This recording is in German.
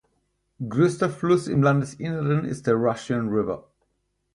Größter Fluss im Landesinneren ist der Russian River.